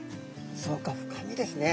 そうか深みですね。